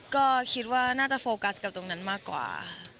ก็คิดว่าน่าจะโฟกัสกับตรงนั้นมากกว่า